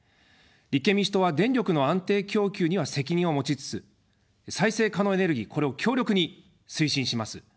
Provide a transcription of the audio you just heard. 立憲民主党は電力の安定供給には責任を持ちつつ再生可能エネルギー、これを強力に推進します。